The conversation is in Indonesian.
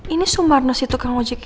ini sumarno si tukang ojek itu kan